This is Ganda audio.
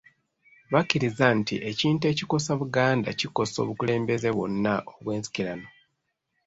Bakkiriza nti ekintu ekikosa Buganda kikosa obukulembeze bwonna obw’ensikirano.